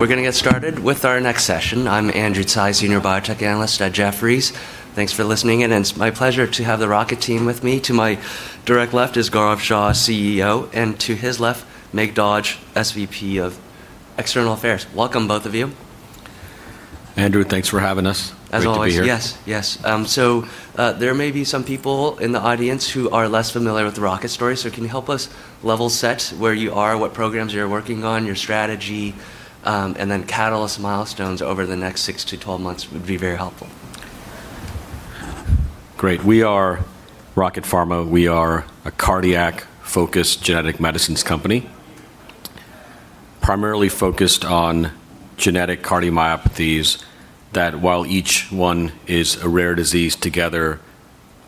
We're going to get started with our next session. I'm Andrew Tsai, Senior Biotech Analyst at Jefferies. Thanks for listening in. It's my pleasure to have the Rocket team with me. To my direct left is Gaurav Shah, CEO, and to his left, Meg Dodge, SVP of External Affairs. Welcome, both of you. Andrew, thanks for having us. As always. Great to be here. Yes. There may be some people in the audience who are less familiar with the Rocket story. Can you help us level set where you are, what programs you're working on, your strategy, and then catalyst milestones over the next six to 12 months would be very helpful. Great. We are Rocket Pharmaceuticals. We are a cardiac-focused genetic medicines company, primarily focused on genetic cardiomyopathies that while each one is a rare disease, together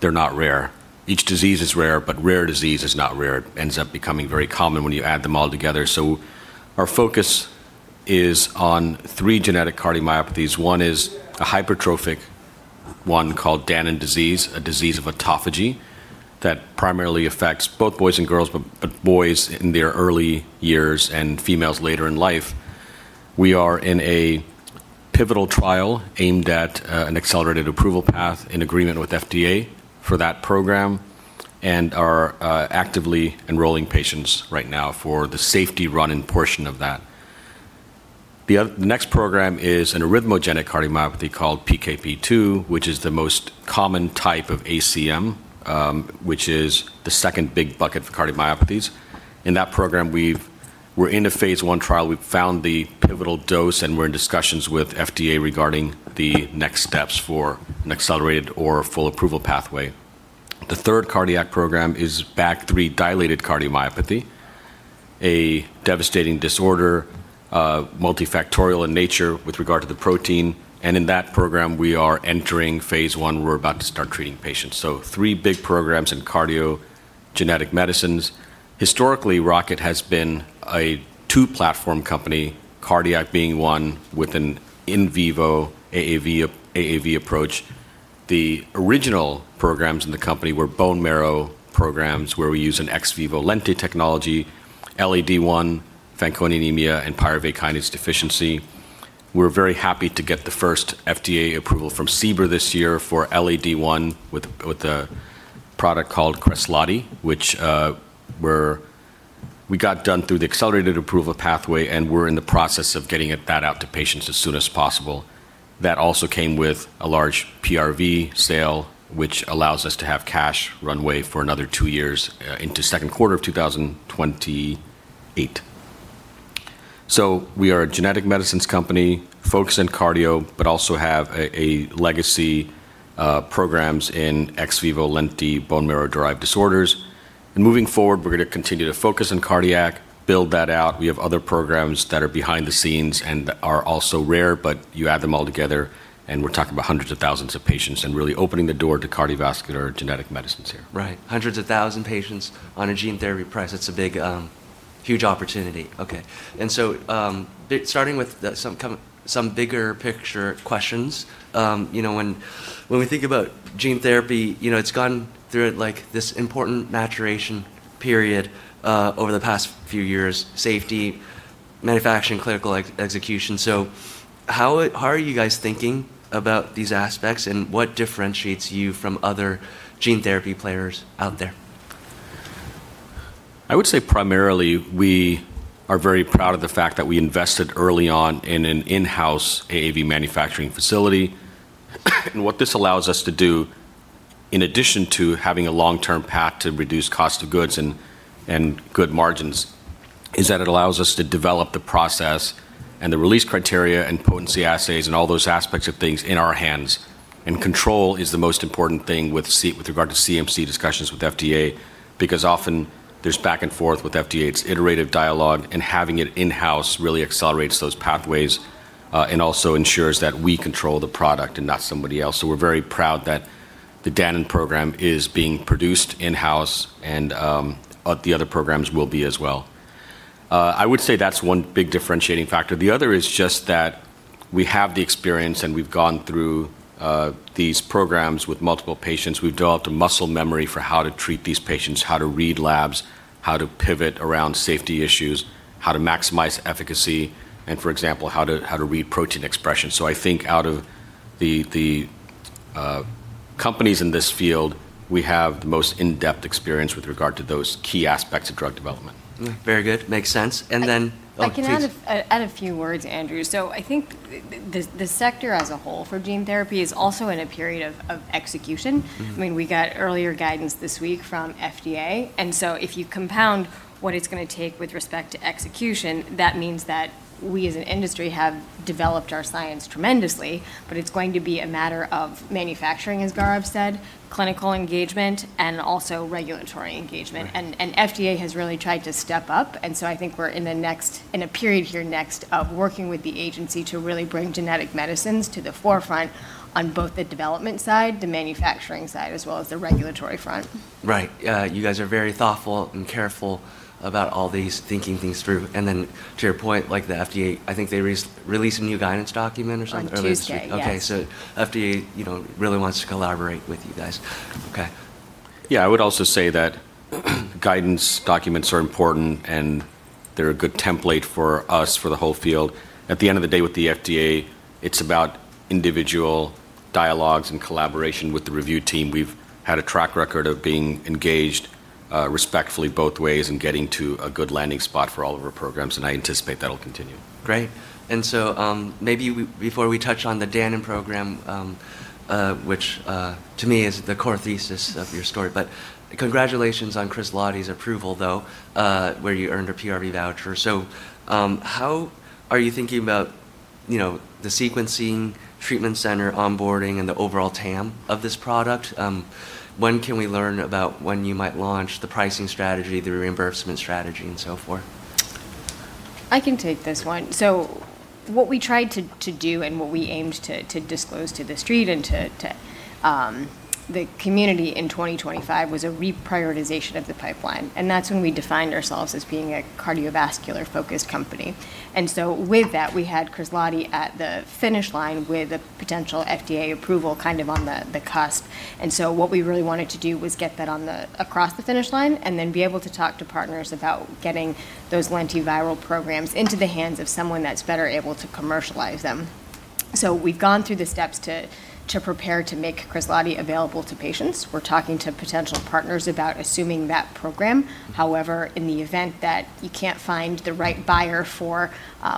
they're not rare. Each disease is rare, but rare disease is not rare. It ends up becoming very common when you add them all together. Our focus is on three genetic cardiomyopathies. One is a hypertrophic one called Danon disease, a disease of autophagy that primarily affects both boys and girls, but boys in their early years and females later in life. We are in a pivotal trial aimed at an accelerated approval path in agreement with FDA for that program, and are actively enrolling patients right now for the safety run-in portion of that. The next program is an arrhythmogenic cardiomyopathy called PKP2, which is the most common type of ACM, which is the second big bucket for cardiomyopathies. In that program, we're in a phase I trial. We've found the pivotal dose, and we're in discussions with FDA regarding the next steps for an accelerated or full approval pathway. The third cardiac program is BAG3 dilated cardiomyopathy, a devastating disorder, multifactorial in nature with regard to the protein. In that program, we are entering phase I. We're about to start treating patients. Three big programs in cardio genetic medicines. Historically, Rocket has been a two-platform company, cardiac being one with an in vivo AAV approach. The original programs in the company were bone marrow programs, where we use an ex vivo lentivirus technology, LAD-I, Fanconi anemia, and pyruvate kinase deficiency. We're very happy to get the first FDA approval from CBER this year for LAD-I with a product called Kresladi, which we got done through the accelerated approval pathway and we're in the process of getting that out to patients as soon as possible. That also came with a large PRV sale, which allows us to have cash runway for another two years into second quarter of 2028. We are a genetic medicines company focused in cardio, but also have a legacy programs in ex vivo lenti bone marrow-derived disorders. Moving forward, we're going to continue to focus on cardiac, build that out. We have other programs that are behind the scenes and that are also rare, but you add them all together and we're talking about hundreds of thousands of patients and really opening the door to cardiovascular genetic medicines here. Right. Hundreds of thousand patients on a gene therapy price. It's a huge opportunity. Okay. Starting with some bigger picture questions. When we think about gene therapy, it's gone through this important maturation period over the past few years, safety, manufacturing, clinical execution. How are you guys thinking about these aspects, and what differentiates you from other gene therapy players out there? I would say primarily we are very proud of the fact that we invested early on in an in-house AAV manufacturing facility. What this allows us to do, in addition to having a long-term path to reduce cost of goods and good margins, is that it allows us to develop the process and the release criteria and potency assays and all those aspects of things in our hands, and control is the most important thing with regard to CMC discussions with FDA, because often there's back and forth with FDA. It's iterative dialogue, and having it in-house really accelerates those pathways, and also ensures that we control the product and not somebody else. We're very proud that the Danon program is being produced in-house and the other programs will be as well. I would say that's one big differentiating factor. The other is just that we have the experience, and we've gone through these programs with multiple patients. We've developed a muscle memory for how to treat these patients, how to read labs, how to pivot around safety issues, how to maximize efficacy, and for example, how to read protein expression. I think out of the companies in this field, we have the most in-depth experience with regard to those key aspects of drug development. Very good. Makes sense. I can add a few words, Andrew. I think the sector as a whole for gene therapy is also in a period of execution. I mean, we got earlier guidance this week from FDA, and so if you compound what it's going to take with respect to execution, that means that we as an industry have developed our science tremendously, but it's going to be a matter of manufacturing, as Gaurav said, clinical engagement, and also regulatory engagement. Right. FDA has really tried to step up, and so I think we're in a period here next of working with the agency to really bring genetic medicines to the forefront on both the development side, the manufacturing side, as well as the regulatory front. Right. You guys are very thoughtful and careful about all these, thinking things through. To your point, the FDA, I think they released a new guidance document or something early this week. On Tuesday, yes. FDA really wants to collaborate with you guys. Yeah, I would also say that guidance documents are important, and they're a good template for us, for the whole field. At the end of the day, with the FDA, it's about individual dialogues and collaboration with the review team. We've had a track record of being engaged respectfully both ways and getting to a good landing spot for all of our programs, and I anticipate that'll continue. Great. Maybe before we touch on the Danon program, which to me is the core thesis of your story, but congratulations on Kresladi's approval though where you earned a PRV voucher. How are you thinking about the sequencing treatment center onboarding and the overall TAM of this product? When can we learn about when you might launch the pricing strategy, the reimbursement strategy, and so forth? I can take this one. What we tried to do and what we aimed to disclose to The Street and to the community in 2025 was a reprioritization of the pipeline. That's when we defined ourselves as being a cardiovascular-focused company. With that, we had Kresladi at the finish line with a potential FDA approval on the cusp. What we really wanted to do was get that across the finish line and then be able to talk to partners about getting those lentiviral programs into the hands of someone that's better able to commercialize them. We've gone through the steps to prepare to make Kresladi available to patients. We're talking to potential partners about assuming that program. However, in the event that you can't find the right buyer for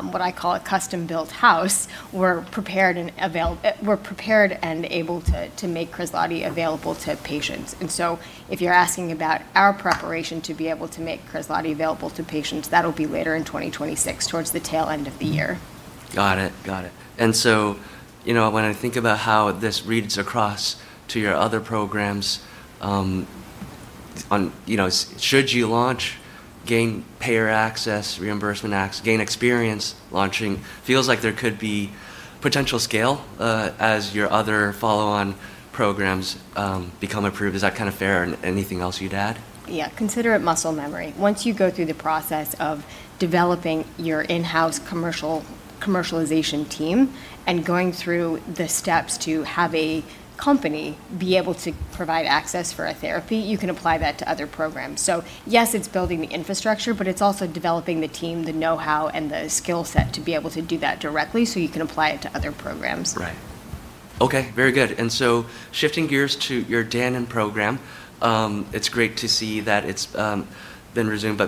what I call a custom-built house, we're prepared and able to make Kresladi available to patients. If you're asking about our preparation to be able to make Kresladi available to patients, that'll be later in 2026, towards the tail end of the year. Got it. When I think about how this reads across to your other programs on should you launch, gain payer access, reimbursement access, gain experience launching, feels like there could be potential scale as your other follow-on programs become approved. Is that kind of fair? Anything else you'd add? Yeah, consider it muscle memory. Once you go through the process of developing your in-house commercialization team and going through the steps to have a company be able to provide access for a therapy, you can apply that to other programs. Yes, it's building the infrastructure, but it's also developing the team, the knowhow, and the skill set to be able to do that directly so you can apply it to other programs. Right. Okay. Very good. Shifting gears to your Danon program, it's great to see that it's been resumed,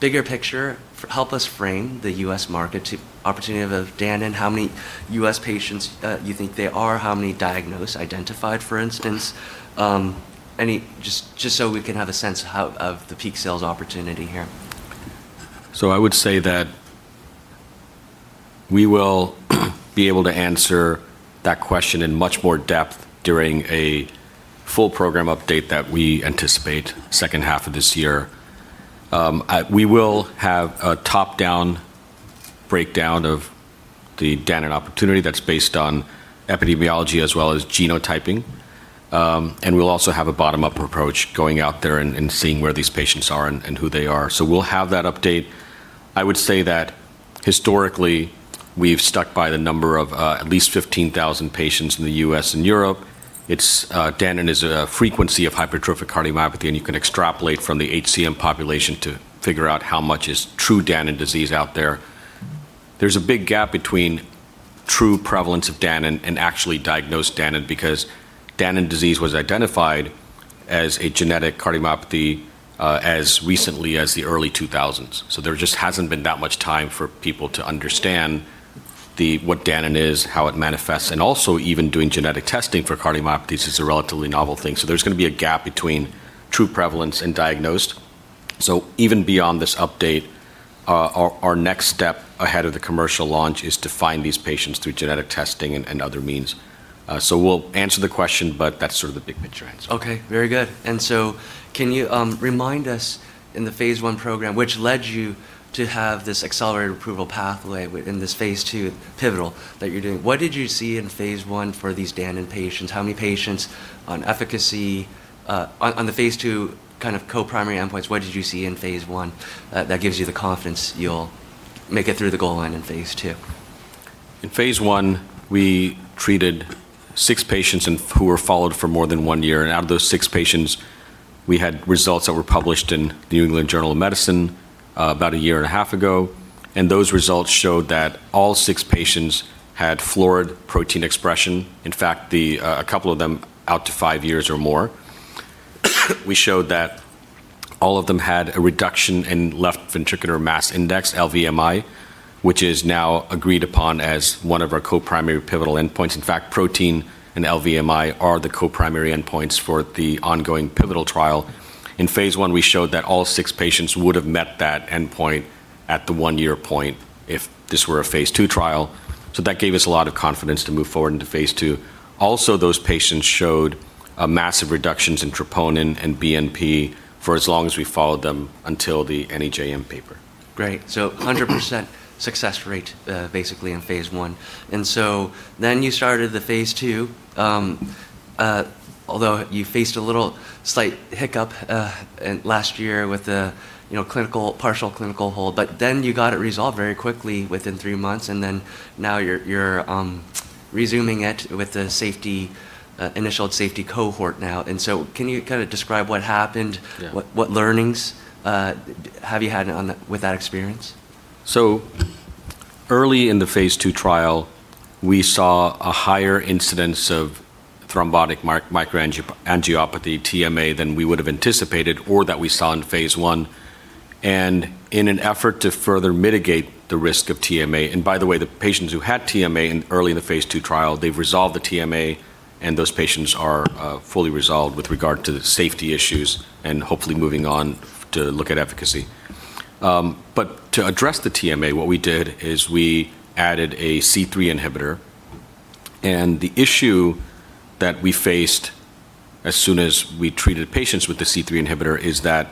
bigger picture, help us frame the U.S. market opportunity of Danon. How many U.S. patients you think there are, how many diagnosed, identified, for instance? Just so we can have a sense of the peak sales opportunity here. I would say that we will be able to answer that question in much more depth during a full program update that we anticipate second half of this year. We will have a top-down breakdown of the Danon opportunity that's based on epidemiology as well as genotyping. We'll also have a bottom-up approach going out there and seeing where these patients are and who they are. We'll have that update. I would say that historically, we've stuck by the number of at least 15,000 patients in the U.S. and Europe. Danon is a frequency of hypertrophic cardiomyopathy, and you can extrapolate from the HCM population to figure out how much is true Danon disease out there. There's a big gap between true prevalence of Danon and actually diagnosed Danon because Danon disease was identified as a genetic cardiomyopathy, as recently as the early 2000s. There just hasn't been that much time for people to understand what Danon is, how it manifests, and also even doing genetic testing for cardiomyopathies is a relatively novel thing. There's going to be a gap between true prevalence and diagnosed. Even beyond this update, our next step ahead of the commercial launch is to find these patients through genetic testing and other means. We'll answer the question, but that's sort of the big-picture answer. Okay, very good. Can you remind us in the phase I program, which led you to have this accelerated approval pathway in this phase II pivotal that you're doing? What did you see in phase I for these Danon patients? On the phase II co-primary endpoints, what did you see in phase I that gives you the confidence you'll make it through the goal line in phase II? In phase I, we treated six patients who were followed for more than one year. Out of those six patients, we had results that were published in The New England Journal of Medicine about a year and a half ago, and those results showed that all six patients had florid protein expression. In fact, a couple of them out to five years or more. We showed that all of them had a reduction in left ventricular mass index, LVMI, which is now agreed upon as one of our co-primary pivotal endpoints. In fact, protein and LVMI are the co-primary endpoints for the ongoing pivotal trial. In phase I, we showed that all six patients would have met that endpoint at the one-year point if this were a phase II trial. That gave us a lot of confidence to move forward into phase II. Those patients showed massive reductions in troponin and BNP for as long as we followed them until the NEJM paper. Great. 100% success rate, basically in phase I. You started the phase II, although you faced a little slight hiccup last year with the partial clinical hold, but then you got it resolved very quickly within three months, and then now you're resuming it with the initial safety cohort now. Can you kind of describe what happened? Yeah. What learnings have you had with that experience? Early in the phase II trial, we saw a higher incidence of thrombotic microangiopathy, TMA, than we would have anticipated or that we saw in phase I. In an effort to further mitigate the risk of TMA, and by the way, the patients who had TMA early in the phase II trial, they've resolved the TMA, and those patients are fully resolved with regard to the safety issues and hopefully moving on to look at efficacy. To address the TMA, what we did is we added a C3 inhibitor. The issue that we faced as soon as we treated patients with the C3 inhibitor is that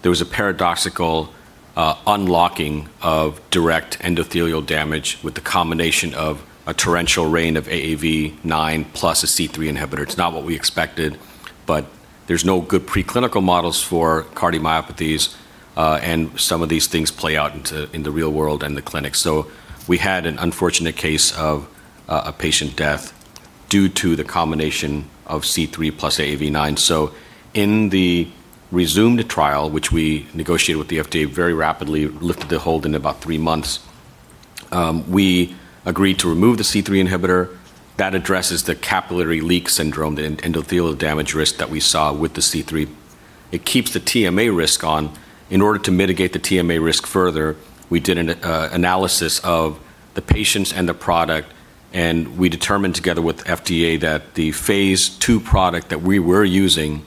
there was a paradoxical unlocking of direct endothelial damage with the combination of a torrential rain of AAV9 plus a C3 inhibitor. It's not what we expected, but there's no good preclinical models for cardiomyopathies, and some of these things play out in the real world and the clinic. We had an unfortunate case of a patient death due to the combination of C3 plus AAV9. In the resumed trial, which we negotiated with the FDA very rapidly, lifted the hold in about three months, we agreed to remove the C3 inhibitor. That addresses the capillary leak syndrome, the endothelial damage risk that we saw with the C3. It keeps the TMA risk on. In order to mitigate the TMA risk further, we did an analysis of the patients and the product, and we determined together with FDA that the phase II product that we were using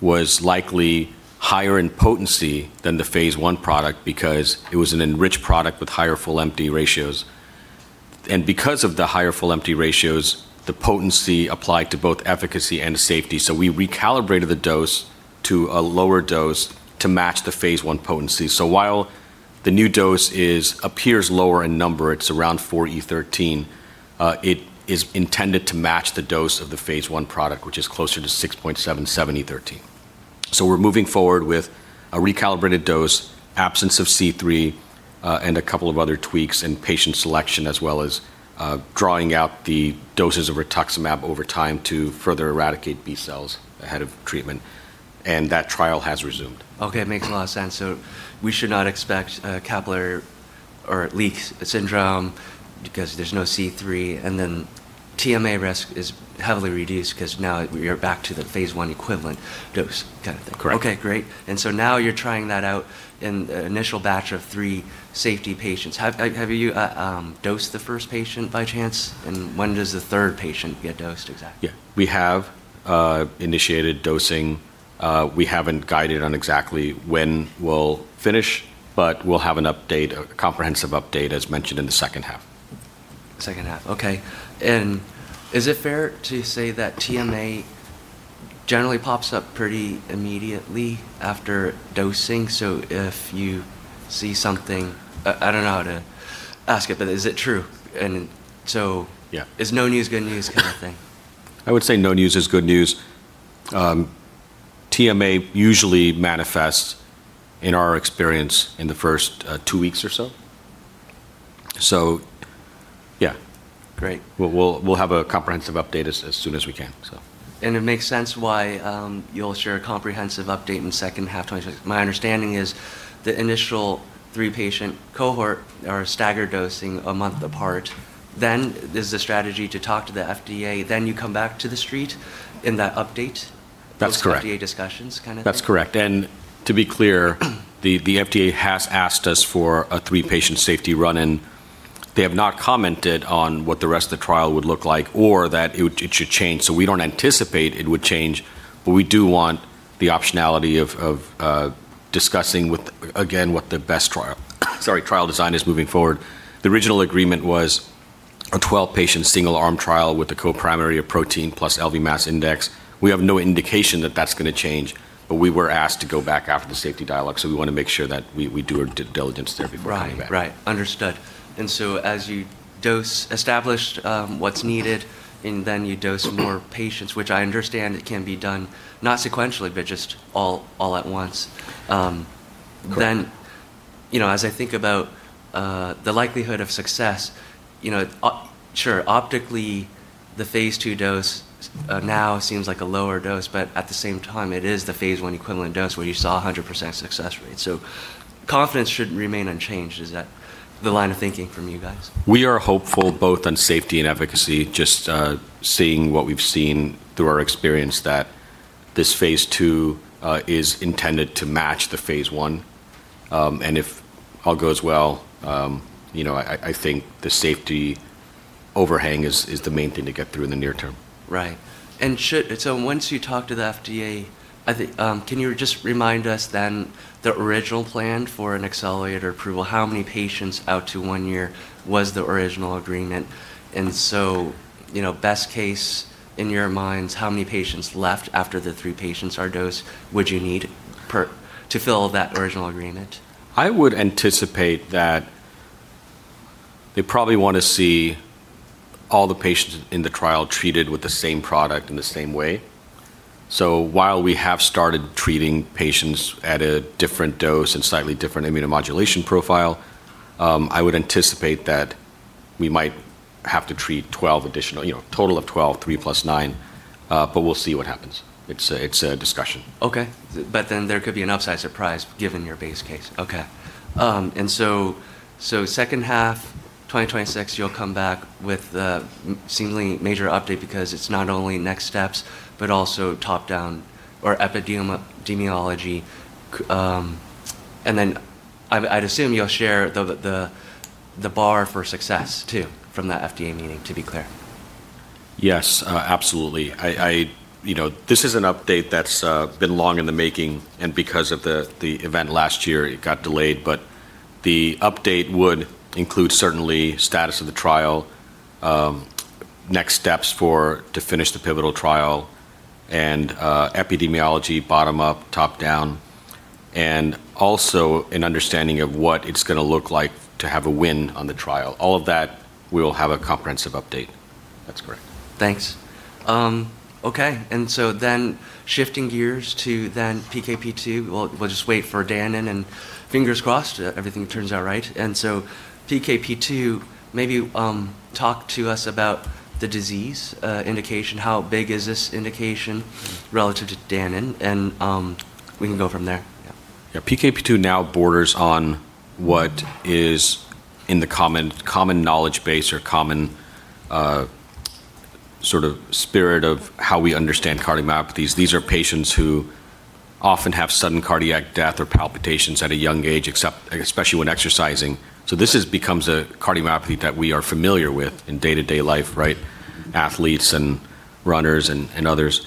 was likely higher in potency than the phase I product because it was an enriched product with higher full-to-empty ratios. Because of the higher full-to-empty ratios, the potency applied to both efficacy and safety. We recalibrated the dose to a lower dose to match the phase I potency. While the new dose appears lower in number, it's around 4E13, it is intended to match the dose of the phase I product, which is closer to 6.77E13. We're moving forward with a recalibrated dose, absence of C3, and a couple of other tweaks in patient selection as well as drawing out the doses of rituximab over time to further eradicate B cells ahead of treatment, and that trial has resumed. Okay, it makes a lot of sense. We should not expect capillary leak syndrome because there's no C3. TMA risk is heavily reduced because now we are back to the phase I equivalent dose kind of thing. Correct. Okay, great. Now you're trying that out in the initial batch of three safety patients. Have you dosed the first patient by chance? When does the third patient get dosed exactly? Yeah. We have initiated dosing. We haven't guided on exactly when we'll finish, but we'll have a comprehensive update as mentioned in the second half. Second half. Okay. Is it fair to say that TMA generally pops up pretty immediately after dosing? If you see something, I don't know how to ask it, but is it true? Yeah Is no news good news kind of thing? I would say no news is good news. TMA usually manifests, in our experience, in the first two weeks or so. Yeah. Great. We'll have a comprehensive update as soon as we can. It makes sense why you'll share a comprehensive update in the second half. My understanding is the initial three-patient cohort are staggered dosing a month apart. There's a strategy to talk to the FDA. You come back to The Street in that update. That's correct. Those FDA discussions kind of thing. That's correct. To be clear, the FDA has asked us for a three-patient safety run, and they have not commented on what the rest of the trial would look like or that it should change. We don't anticipate it would change, but we do want the optionality of discussing with, again, what the best trial design is moving forward. The original agreement was a 12-patient single-arm trial with a co-primary of protein plus LV mass index. We have no indication that that's going to change, but we were asked to go back after the safety dialogue, so we want to make sure that we do our due diligence there before coming back. Right. Understood. As you dose establish what's needed, and then you dose more patients, which I understand it can be done not sequentially, but just all at once. Correct. As I think about the likelihood of success, sure, optically, the phase II dose now seems like a lower dose. At the same time, it is the phase I equivalent dose where you saw 100% success rate. Confidence should remain unchanged. Is that the line of thinking from you guys? We are hopeful both on safety and efficacy, just seeing what we've seen through our experience that this phase II is intended to match the phase I. If all goes well, I think the safety overhang is the main thing to get through in the near term. Right. Once you talk to the FDA, can you just remind us then the original plan for an accelerated approval, how many patients out to one year was the original agreement? Best case in your minds, how many patients left after the three patients are dosed would you need to fill that original agreement? I would anticipate that they probably want to see all the patients in the trial treated with the same product in the same way. While we have started treating patients at a different dose and slightly different immunomodulation profile, I would anticipate that we might have to treat a total of 12, three plus nine, but we'll see what happens. It's a discussion. Okay. There could be an upside surprise given your base case. Okay. Second half 2026, you'll come back with a seemingly major update because it's not only next steps, but also top-down or epidemiology. I'd assume you'll share the bar for success, too, from that FDA meeting, to be clear. Yes, absolutely. This is an update that's been long in the making. Because of the event last year, it got delayed. The update would include certainly status of the trial, next steps to finish the pivotal trial, epidemiology bottom up, top down, and also an understanding of what it's going to look like to have a win on the trial. All of that, we'll have a comprehensive update. That's correct. Thanks. Okay. Then shifting gears to then PKP2, we'll just wait for Danon, and fingers crossed everything turns out right. PKP2, maybe talk to us about the disease indication. How big is this indication relative to Danon? We can go from there. Yeah. Yeah. PKP2 now borders on what is in the common knowledge base or common sort of spirit of how we understand cardiomyopathies. These are patients who often have sudden cardiac death or palpitations at a young age, especially when exercising. This becomes a cardiomyopathy that we are familiar with in day-to-day life, right? Athletes and runners and others.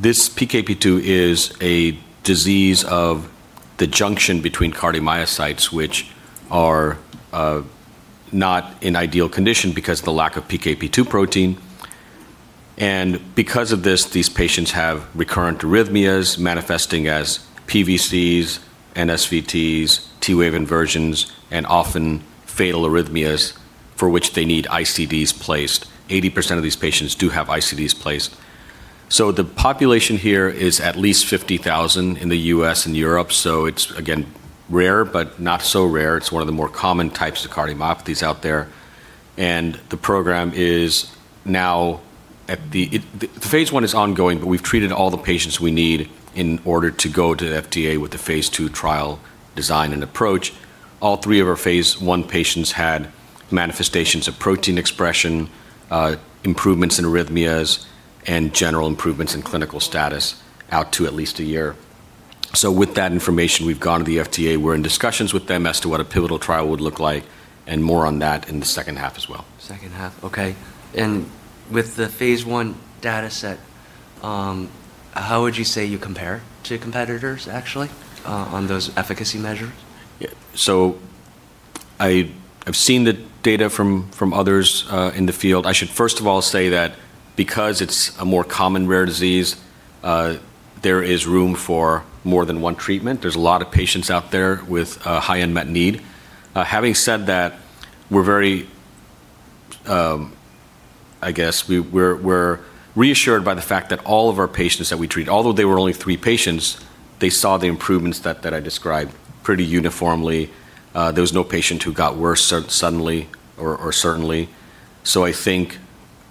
This PKP2 is a disease of the junction between cardiomyocytes, which are not in ideal condition because of the lack of PKP2 protein. Because of this, these patients have recurrent arrhythmias manifesting as PVCs, NSVT, T wave inversions, and often fatal arrhythmias for which they need ICDs placed. 80% of these patients do have ICDs placed. The population here is at least 50,000 in the U.S. and Europe. It's, again, rare but not so rare. It's one of the more common types of cardiomyopathies out there. The phase I is ongoing, but we've treated all the patients we need in order to go to the FDA with the phase II trial design and approach. All three of our phase I patients had manifestations of protein expression, improvements in arrhythmias, and general improvements in clinical status out to at least one year. With that information, we've gone to the FDA. We're in discussions with them as to what a pivotal trial would look like, and more on that in the second half as well. Second half. Okay. With the phase I data set, how would you say you compare to competitors, actually, on those efficacy measures? I've seen the data from others in the field. I should first of all say that because it's a more common rare disease, there is room for more than one treatment. There's a lot of patients out there with a high unmet need. Having said that, we're reassured by the fact that all of our patients that we treat, although they were only three patients, they saw the improvements that I described pretty uniformly. There was no patient who got worse suddenly or certainly. I think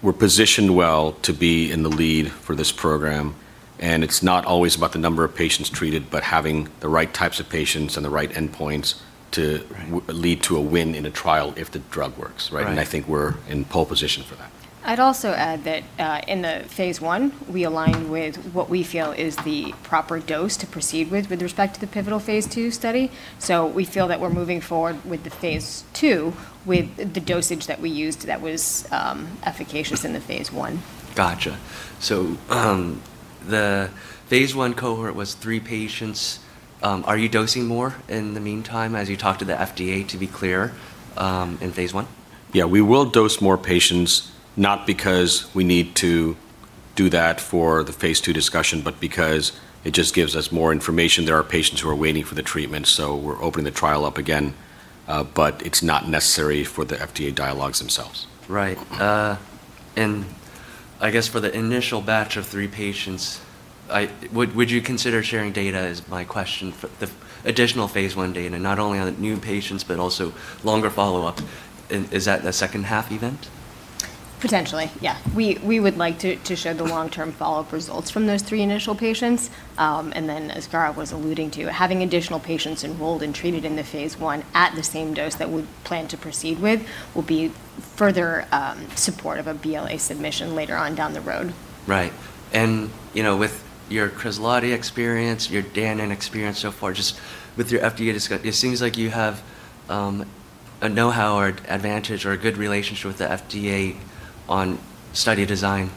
we're positioned well to be in the lead for this program, and it's not always about the number of patients treated, but having the right types of patients and the right endpoints to- Right Lead to a win in a trial if the drug works, right? Right. I think we're in pole position for that. I'd also add that in the phase I, we align with what we feel is the proper dose to proceed with respect to the pivotal phase II study. We feel that we're moving forward with the phase II, with the dosage that we used that was efficacious in the phase I. Got you. The phase I cohort was three patients. Are you dosing more in the meantime as you talk to the FDA, to be clear, in phase I? Yeah, we will dose more patients, not because we need to do that for the phase II discussion, because it just gives us more information. There are patients who are waiting for the treatment, we're opening the trial up again. It's not necessary for the FDA dialogues themselves. Right. I guess for the initial batch of three patients, would you consider sharing data, is my question, the additional phase I data, not only on new patients but also longer follow-up? Is that a second-half event? Potentially, yeah. We would like to share the long-term follow-up results from those three initial patients. As Gaurav was alluding to, having additional patients enrolled and treated in the phase I at the same dose that we plan to proceed with, will be further support of a BLA submission later on down the road. Right. With your Kresladi experience, your Danon experience so far, just with your FDA discuss, it seems like you have a knowhow or advantage or a good relationship with the FDA on study design,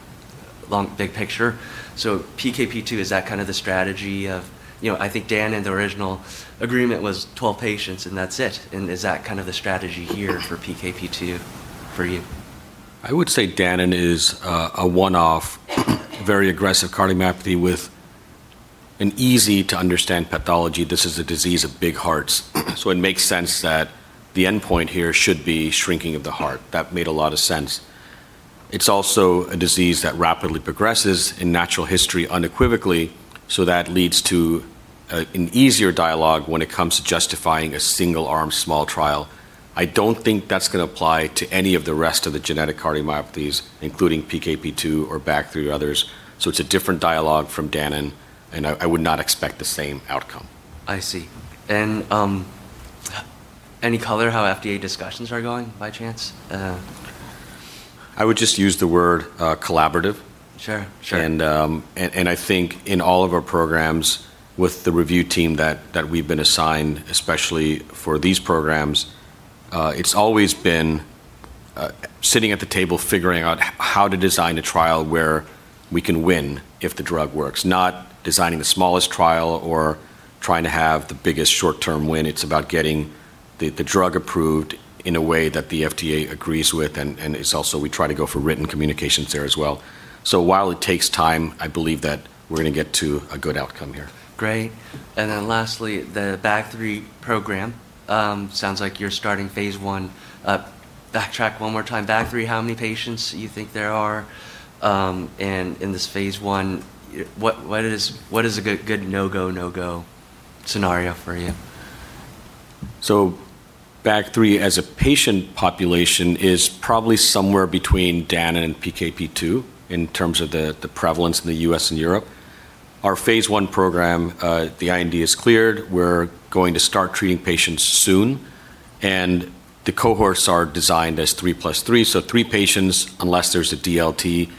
big picture. PKP2, is that the strategy? I think Danon, the original agreement was 12 patients, and that's it. Is that the strategy here for PKP2 for you? I would say Danon is a one-off very aggressive cardiomyopathy with an easy-to-understand pathology. This is a disease of big hearts. It makes sense that the endpoint here should be shrinking of the heart. That made a lot of sense. It's also a disease that rapidly progresses in natural history unequivocally. That leads to an easier dialogue when it comes to justifying a single-arm small trial. I don't think that's going to apply to any of the rest of the genetic cardiomyopathies, including PKP2 or BAG3 others. It's a different dialogue from Danon and I would not expect the same outcome. I see. Any color how FDA discussions are going by chance? I would just use the word collaborative. Sure. I think in all of our programs with the review team that we've been assigned, especially for these programs, it's always been sitting at the table figuring out how to design a trial where we can win if the drug works. Not designing the smallest trial or trying to have the biggest short-term win. It's about getting the drug approved in a way that the FDA agrees with, and it's also we try to go for written communications there as well. While it takes time, I believe that we're going to get to a good outcome here. Great. Lastly, the BAG3 program. Sounds like you're starting phase I. Backtrack one more time. BAG3, how many patients you think there are? In this phase I, what is a good no-go scenario for you? BAG3 as a patient population is probably somewhere between Danon and PKP2 in terms of the prevalence in the U.S. and Europe. Our phase I program, the IND is cleared. We're going to start treating patients soon. The cohorts are designed as three plus three, so three patients, unless there's a DLT.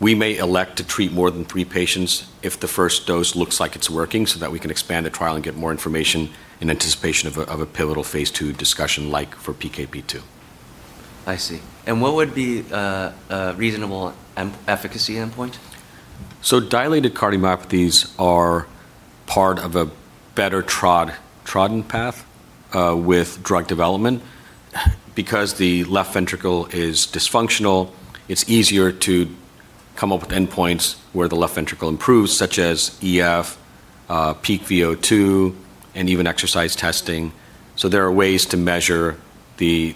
We may elect to treat more than three patients if the first dose looks like it's working, so that we can expand the trial and get more information in anticipation of a pivotal phase II discussion, like for PKP2. I see. What would be a reasonable efficacy endpoint? Dilated cardiomyopathies are part of a better trodden path with drug development. Because the left ventricle is dysfunctional, it's easier to come up with endpoints where the left ventricle improves, such as EF, peak VO2, and even exercise testing. There are ways to measure the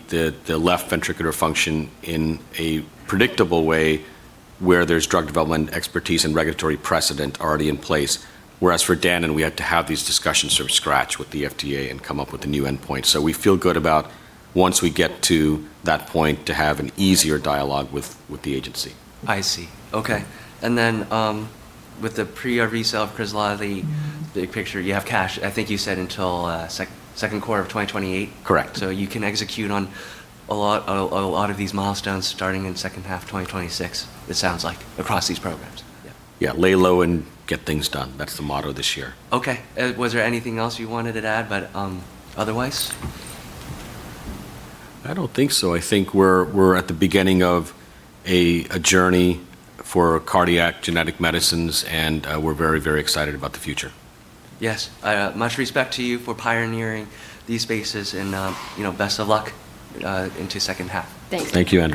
left ventricular function in a predictable way, where there's drug development expertise and regulatory precedent already in place. Whereas for Danon, we had to have these discussions from scratch with the FDA and come up with a new endpoint. We feel good about once we get to that point to have an easier dialogue with the agency. I see. Okay. With the PRV sale of Kresladi, the big picture, you have cash, I think you said until second quarter of 2028? Correct. You can execute on a lot of these milestones starting in second half 2026, it sounds like, across these programs. Yeah. Lay low and get things done. That's the motto this year. Okay. Was there anything else you wanted to add, but otherwise? I don't think so. I think we're at the beginning of a journey for cardiac genetic medicines, and we're very excited about the future. Yes. Much respect to you for pioneering these spaces and best of luck into second half. Thank you. Thank you, Andrew